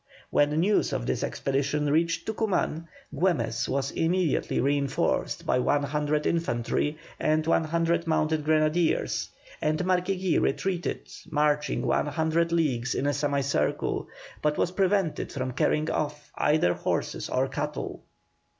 When news of this expedition reached Tucuman, Güemes was immediately reinforced by one hundred infantry and one hundred mounted grenadiers, and Marquiegui retreated, marching one hundred leagues in a semicircle, but was prevented from carrying off either horses or cattle.